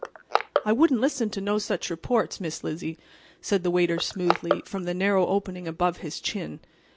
"I wouldn't listen to no such reports, Miss Lizzie," said the waiter smoothly, from the narrow opening above his chin.